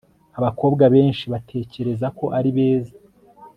Abakobwa benshi batekereza ko ari beza